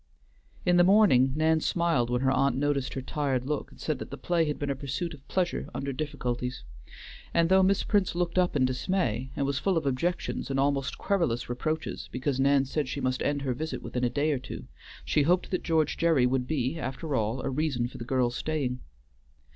In the morning Nan smiled when her aunt noticed her tired look, and said that the play had been a pursuit of pleasure under difficulties. And though Miss Prince looked up in dismay, and was full of objections and almost querulous reproaches because Nan said she must end her visit within a day or two, she hoped that George Gerry would be, after all, a reason for the girl's staying.